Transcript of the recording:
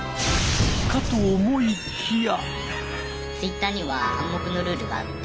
かと思いきや。